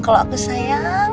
kalau aku sayang